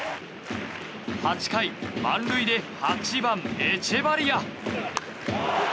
８回、満塁で８番、エチェバリア。